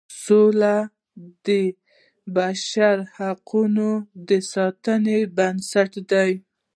سوله د بشري حقوقو د ساتنې بنسټ دی.